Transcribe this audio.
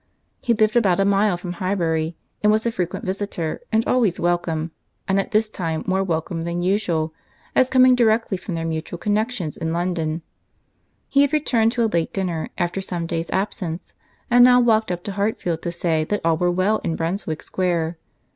He lived about a mile from Highbury, was a frequent visitor, and always welcome, and at this time more welcome than usual, as coming directly from their mutual connexions in London. He had returned to a late dinner, after some days' absence, and now walked up to Hartfield to say that all were well in Brunswick Square.